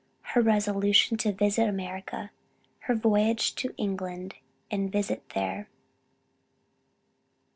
HER RESOLUTION TO VISIT AMERICA. HER VOYAGE TO ENGLAND AND VISIT THERE.